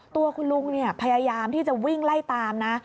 ตัวคุณลุงพยายามที่จะวิ่งไล่ตามนะ